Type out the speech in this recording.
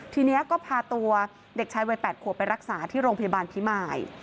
ทีนี้ก็พาตัวเด็กชายวัย๘ขวบไปรักษาที่โรงพยาบาลพิมาย